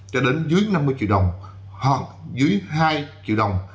cho đến dưới năm mươi triệu đồng hoặc dưới hai triệu đồng